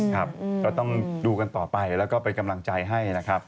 ก็ต้องดูกันต่อไปแล้วก็เป็นกำลังใจให้นะครับ